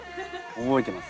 覚えてます。